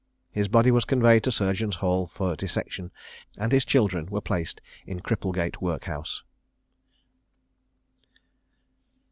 His body was conveyed to Surgeons' Hali for dissection, and his children were placed in Cripplegate workhouse.